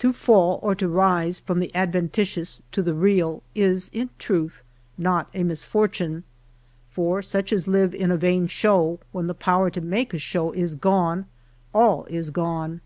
To fall, or to rise, from the ad ventitious to the real, is in truth not a misfortune. For such as live in a vain show, when the power to make a show is gone, all is ^one.